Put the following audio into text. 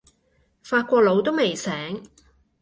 法國佬都未醒